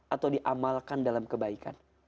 atau diamalkan dalam kebaikan